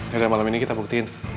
yaudah malam ini kita buktiin